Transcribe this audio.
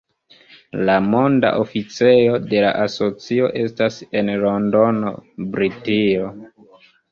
La monda oficejo de la asocio estas en Londono, Britio.